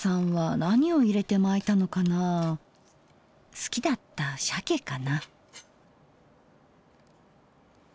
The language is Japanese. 好きだったしゃけかな。